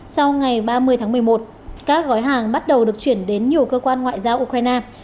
sau ngày ba mươi tháng một mươi một các gói hàng bắt đầu được chuyển đến nhiều cơ quan ngoại giao ukraine